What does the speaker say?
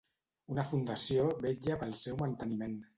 Una fundació vetlla pel seu manteniment.